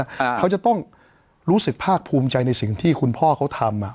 อ่าเขาจะต้องรู้สึกภาคภูมิใจในสิ่งที่คุณพ่อเขาทำอ่ะ